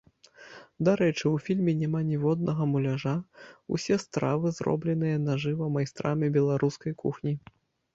Дарэчы, у фільме няма ніводнага муляжа, усе стравы зробленыя нажыва майстрамі беларускай кухні!